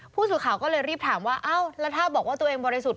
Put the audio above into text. ผู้สื่อข่าวก็เลยรีบถามว่าอ้าวแล้วถ้าบอกว่าตัวเองบริสุทธิ์